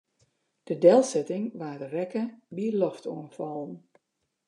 De delsetting waard rekke by loftoanfallen.